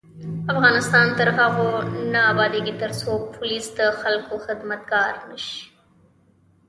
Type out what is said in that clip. افغانستان تر هغو نه ابادیږي، ترڅو پولیس د خلکو خدمتګار نشي.